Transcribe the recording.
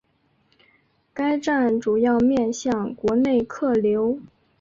该站主要面向国内客流。